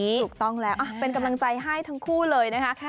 ถูกต้องแล้วเป็นกำลังใจให้ทั้งคู่เลยนะคะ